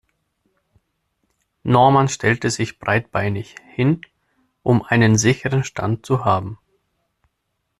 Norman stellte sich breitbeinig hin, um einen sicheren Stand zu haben.